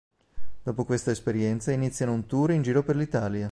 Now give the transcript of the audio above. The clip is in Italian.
Dopo questa esperienza iniziano un tour in giro per l'Italia.